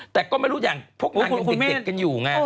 แต่ก็ไม่รู้อย่างพวกนางยังเด็กกันอยู่ไง